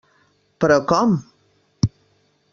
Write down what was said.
Però com?